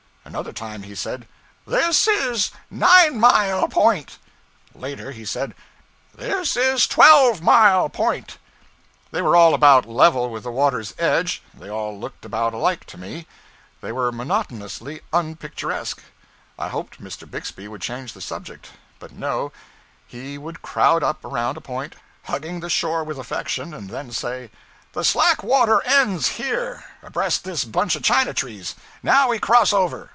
Another time he said, 'This is Nine Mile Point.' Later he said, 'This is Twelve Mile Point.' They were all about level with the water's edge; they all looked about alike to me; they were monotonously unpicturesque. I hoped Mr. Bixby would change the subject. But no; he would crowd up around a point, hugging the shore with affection, and then say: 'The slack water ends here, abreast this bunch of China trees; now we cross over.'